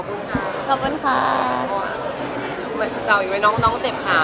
กระโปรงขาดใช่ค่ะ